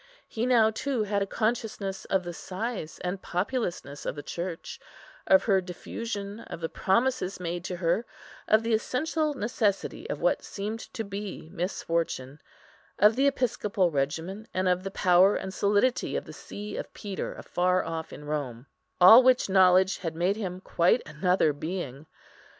He now too had a consciousness of the size and populousness of the Church, of her diffusion, of the promises made to her, of the essential necessity of what seemed to be misfortune, of the episcopal regimen, and of the power and solidity of the see of Peter afar off in Rome, all which knowledge had made him quite another being.